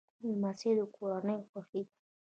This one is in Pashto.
لمسی د کورنۍ خوښي ده.